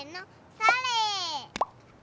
それ！